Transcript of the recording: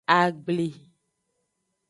Agbli.